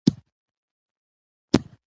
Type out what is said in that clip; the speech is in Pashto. که نجونې کیسې ولیکي نو تاریخ به نه ورکيږي.